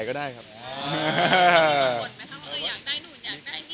ของขวัญรับปริญญา